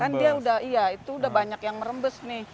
kan dia udah iya itu udah banyak yang merembes nih